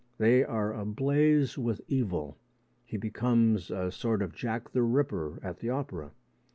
They are ablaze with evil. He becomes a sort of Jack the Ripper at the opera.